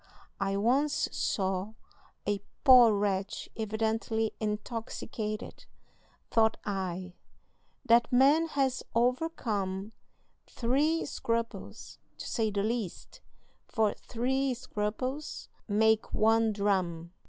I once saw a poor wretch evidently intoxicated; thought I, 'That man has overcome three scruples, to say the least, for three scruples make one dram.'